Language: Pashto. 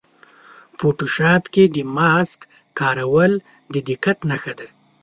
فوټوشاپ کې د ماسک کارول د دقت نښه ده.